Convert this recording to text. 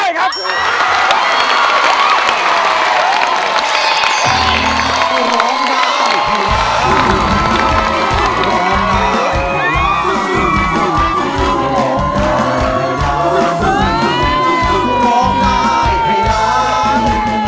ได้ครับ